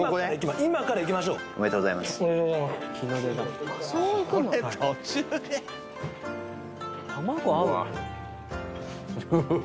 今からいきましょうおめでとうございますうわ